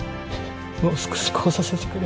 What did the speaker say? もう少しこうさせてくれ。